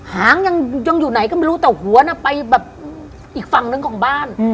หางยังอยู่ไหนก็ไม่รู้แต่หัวน่ะไปแบบอีกฝั่งนึงของบ้าน